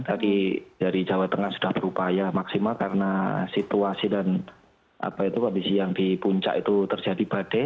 tadi dari jawa tengah sudah berupaya maksimal karena situasi dan apa itu abis siang di puncak itu terjadi badai